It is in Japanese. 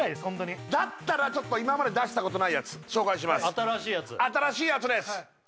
ホントにだったらちょっと今まで出したことないやつ紹介します新しいやつ新しいやつです